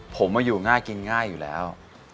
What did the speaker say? ผมมาอยู่ง่ายกินง่ายอยู่แล้ว